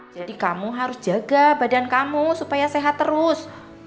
jadi kamu harus jaga badan kamu supaya sehat terus